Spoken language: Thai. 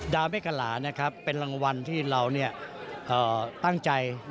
ดาวแม่กระหลาเป็นรางวัลที่เราตั้งใจ